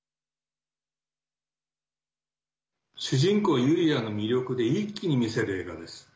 主人公、ユリアの魅力で一気に見せる映画です。